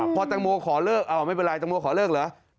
พอแตงโมขอเลิกเอาไม่เป็นไรตังโมขอเลิกเหรอ